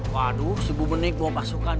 waduh si bu benik bawa pasukan